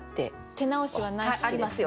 手直しはなし？ありますよ。